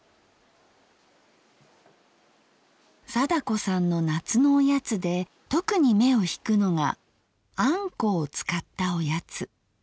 貞子さんの「夏のおやつ」で特に目を引くのが「あんこ」を使ったおやつ。